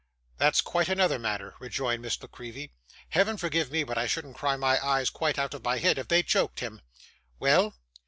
'That's quite another matter,' rejoined Miss La Creevy. 'Heaven forgive me; but I shouldn't cry my eyes quite out of my head, if they choked him. Well?